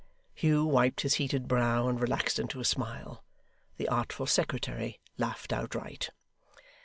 Hugh wiped his heated brow, and relaxed into a smile. The artful secretary laughed outright.